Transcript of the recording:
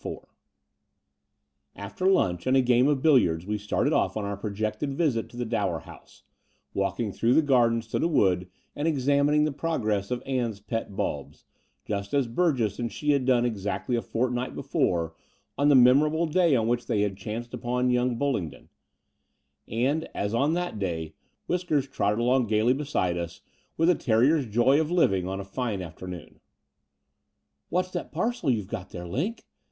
VII After lunch and a game of billiards we started ofi on our projected visit to the Dower House, walking through the gardens to the wood, and examining the progress of Ann's pet bulbs, just as Burgess and she had done exactly a fortnight before on the memorable day on which they had chanced upon yotmg Bullingdon : and, as on that day. Whiskers trotted along gaily beside us with a terrier's joy of living on a fine afternoon. ''What's that parcel you've got there, Line?"